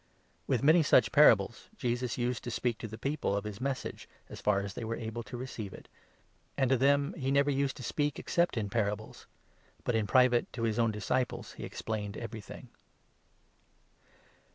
'" With many such parables Jesus used to speak to the people 33 of his Message, as far as they were able to receive it ; and to 34 them he never used to speak except in parables ; but in private to his own disciples he explained everything.